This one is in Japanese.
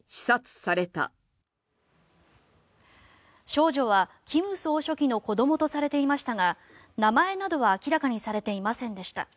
少女は金総書記の子どもとされていましたが名前などは明らかにされていませんでした。